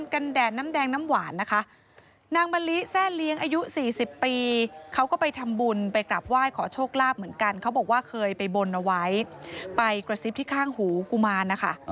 เขาบอกว่าเคยไปบนเอาไว้ไปกระซิบที่ข้างหูกุมารนะคะ